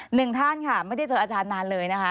หนึ่งท่านค่ะไม่ได้เจออาจารย์นานเลยนะคะ